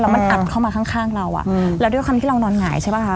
มันอัดเข้ามาข้างเราอ่ะแล้วด้วยความที่เรานอนหงายใช่ป่ะคะ